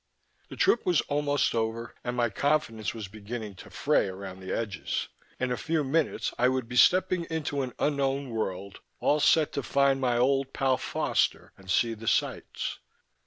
The trip was almost over and my confidence was beginning to fray around the edges. In a few minutes I would be stepping into an unknown world, all set to find my old pal Foster and see the sights.